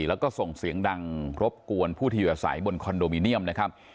แล้วก็ส่งเสียงดังรบกวนผู้ที่อยู่อาศัยบนคอนโดมิเนียมนะครับ